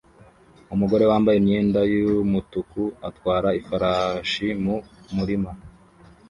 Umugore wambaye imyenda yumutuku atwara ifarashi mu murima